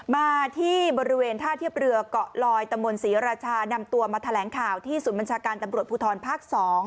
มาที่บริเวณท่าเทียบเรือเกาะลอยตมศรีราชานำตัวมาแถลงข่าวที่ศูนย์บัญชาการตำรวจภูทรภาค๒